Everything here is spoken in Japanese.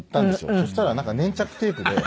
そしたらなんか粘着テープで。